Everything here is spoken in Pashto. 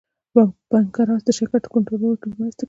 پنکراس د شکر کنټرول کې مرسته کوي